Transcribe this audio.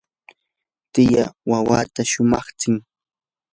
tiyaa wawata shumaqtsin.